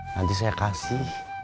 nanti saya kasih